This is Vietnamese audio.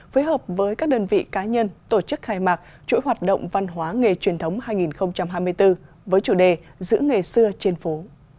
phối hợp với các đơn vị cá nhân tổ chức khai mạc chuỗi hoạt động văn hóa nghề truyền thống hai nghìn hai mươi bốn với chủ đề giữ nghề xưa trên phố